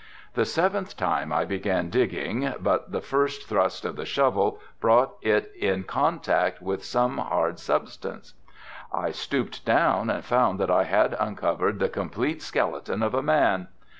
The seventh time I began digging but the first thrust of the shovel brought it in contact with some hard substance. I stooped down and found that I had uncovered the complete skeleton of a man.